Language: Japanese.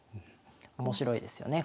面白いですよね